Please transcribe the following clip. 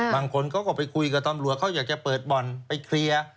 บางคนเขาก็ไปคุยกับตำรวจเขาอยากจะเปิดบ่อนไปเคลียร์